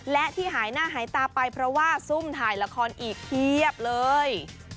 และที่หายหน้าหายตาไปเพราะว่าซุ่มถ่ายละครอีกเพียบเลย